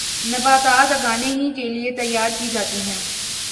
نباتات اگانے ہی کیلئے تیار کی جاتی ہیں